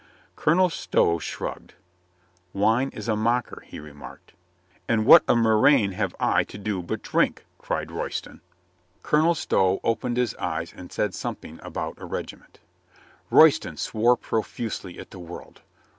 Colonel Stow shrugged. "Wine is a mocker," he remarked. "And what a murrain have I to do but drink?" cried Royston. INGEMINATING PEACE 159 Colonel Stow opened his eyes and said some thing about a regiment. Royston swore profusely at the world.